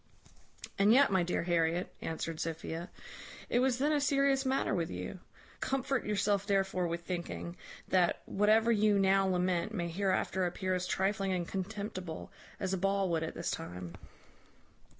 "And yet, my dear Harriet," answered Sophia, "it was then a serious matter with you. Comfort yourself therefore with thinking, that whatever you now lament may hereafter appear as trifling and contemptible as a ball would at this time."